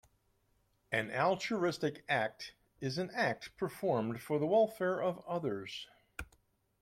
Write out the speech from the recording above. An altruistic act is an act performed for the welfare of others.